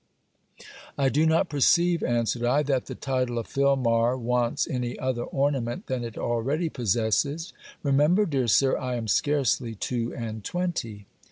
'I do not perceive,' answered I, 'that the title of Filmar wants any other ornament than it already possesses. Remember, dear Sir, I am scarcely two and twenty.'